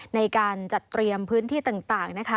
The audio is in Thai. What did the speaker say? ในการจัดเตรียมพื้นที่ต่างนะคะ